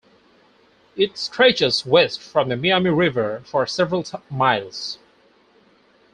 It stretches west from the Miami River for several miles.